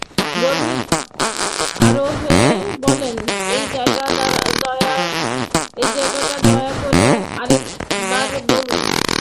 গভীর আগ্রহে বলছেন, এই জায়গাটা দয়া করে আরেক বার বলুন।